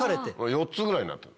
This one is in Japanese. ４つぐらいになってる。